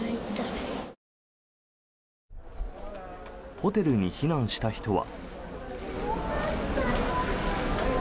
ホテルに避難した人は。